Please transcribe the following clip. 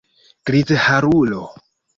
Grizharulo!